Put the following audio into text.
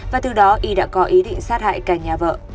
và từ đó y đã có ý định sát hại cả nhà vợ